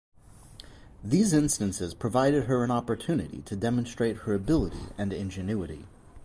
These instances provided her an opportunity to demonstrate her ability and ingenuity.